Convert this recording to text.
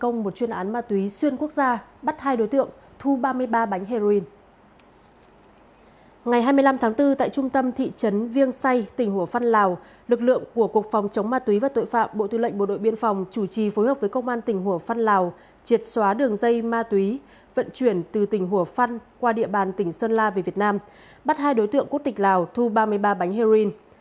ngày hai mươi năm tháng bốn tại trung tâm thị trấn viêng say tỉnh hùa phăn lào lực lượng của cục phòng chống ma túy và tội phạm bộ tư lệnh bộ đội biên phòng chủ trì phối hợp với công an tỉnh hùa phăn lào triệt xóa đường dây ma túy vận chuyển từ tỉnh hùa phăn qua địa bàn tỉnh sơn la về việt nam bắt hai đối tượng quốc tịch lào thu ba mươi ba bánh heroin